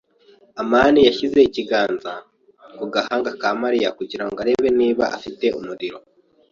amani yashyize ikiganza ku gahanga ka Mariya kugira ngo arebe niba afite umuriro.